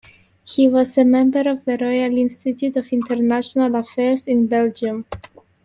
He was a member of the Royal Institute of International Affairs in Belgium.